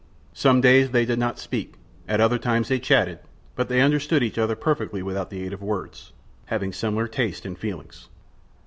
Some days they did not speak; at other times they chatted; but they understood each other perfectly without the aid of words, having similar tastes and feelings.